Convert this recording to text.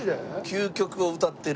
究極をうたってる。